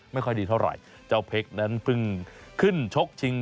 ไม่ค่อยดีเท่าไหร่เจ้าเพชรนั้นเพิ่งขึ้นชกชิง